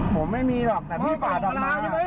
ผมไม่มีหรอกแต่พี่ป่าดอกมา